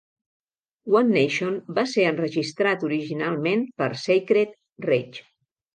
"One Nation" va ser enregistrat originalment per Sacred Reich.